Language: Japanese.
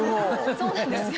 そうなんですよ